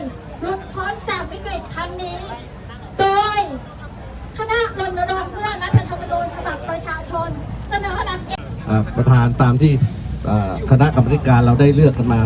อ่าประธานตามที่อ่าคณะคำความริการเราได้เลือกกันมา